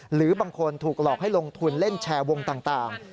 หรือบางคนถูกหลอกให้ลงทุนเล่นแชร์วงต่าง